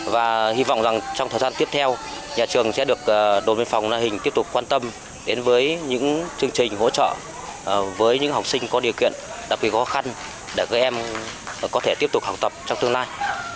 và hy vọng rằng trong thời gian tiếp theo nhà trường sẽ được đồn biên phòng na hình tiếp tục quan tâm đến với những chương trình hỗ trợ với những học sinh có điều kiện đặc biệt khó khăn để các em có thể tiếp tục học tập trong tương lai